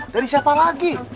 dari siapa lagi